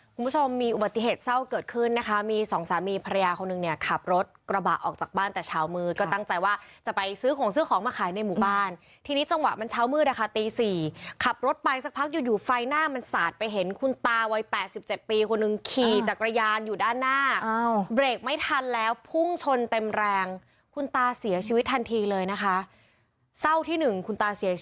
คุณผู้ชมมีอุบัติเหตุเศร้าเกิดขึ้นนะคะมีสองสามีภรรยาคนหนึ่งเนี่ยขับรถกระบะออกจากบ้านแต่เช้ามืดก็ตั้งใจว่าจะไปซื้อของซื้อของมาขายในหมู่บ้านทีนี้จังหวะมันเช้ามืดนะคะตีสี่ขับรถไปสักพักอยู่อยู่ไฟหน้ามันสาดไปเห็นคุณตาวัยแปดสิบเจ็ดปีคนหนึ่งขี่จักรยานอยู่ด้านหน้าอ้าวเบรกไม่ทันแล้